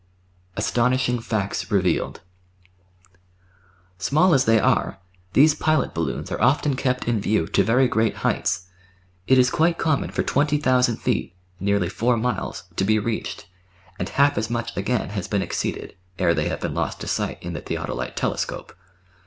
Astonishing Facts Revealed Small as they are, these pilot balloons are often kept in view to very great heights; it is quite common for 20,000 feet (nearly 4 miles) to be reached, and half as much again has been exceeded, ere they have been lost to sight in the theodolite telescope.